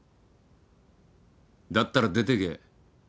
だったら出てけ。